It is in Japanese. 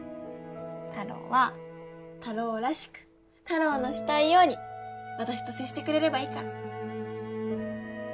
たろーはたろーらしくたろーのしたいように私と接してくれればいいから。